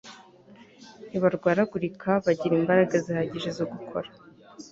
ntibarwaragurika, bagira imbaraga zihagije zo gukora